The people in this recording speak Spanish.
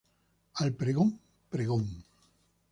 Al pregón, pregón!